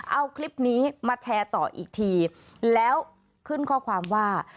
เอาคลิปนี้มาแชร์ต่ออีกทีแล้วขึ้นข้อความว่า